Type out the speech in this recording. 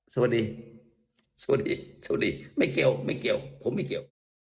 สวัสดีสวัสดีไม่เกี่ยวไม่เกี่ยวผมไม่เกี่ยว